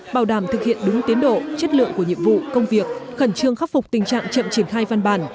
bảo đảm thực hiện đúng tiến độ chất lượng của nhiệm vụ công việc khẩn trương khắc phục tình trạng chậm triển khai văn bản